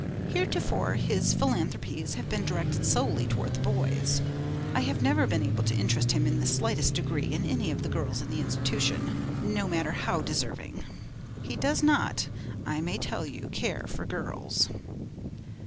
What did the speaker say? Heretofore his philanthropies have been directed solely towards the boys; I have never been able to interest him in the slightest degree in any of the girls in the institution, no matter how deserving. He does not, I may tell you, care for girls.'